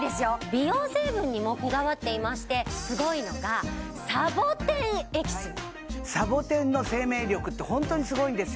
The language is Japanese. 美容成分にもこだわっていましてすごいのがサボテンの生命力ってホントにすごいんですよ